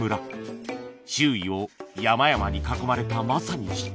周囲を山々に囲まれたまさに秘境